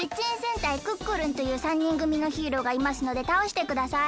えっ？という３にんぐみのヒーローがいますのでたおしてください。